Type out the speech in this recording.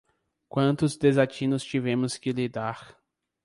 Quantos desatinos tivemos que lidar